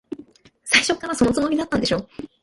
最初っから、そのつもりだったんでしょ。